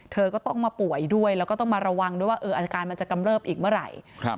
เธอก็ต้องมาป่วยด้วยแล้วก็ต้องมาระวังด้วยว่าอาการมันจะกำเริบอีกเมื่อไหร่